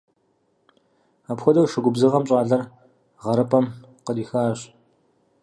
Апхуэдэу шы губзыгъэм щӏалэр гъэрыпӏэм кърихащ.